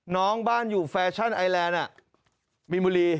น้องบ้านอยู่แฟชั่นไอแลนด์มีนบุรี